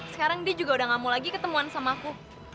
sekarang dia juga udah gak mau lagi ketemuan sama aku